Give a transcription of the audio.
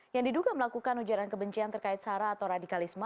yang diduga melakukan ujaran kebencian terkait sara atau radikalisme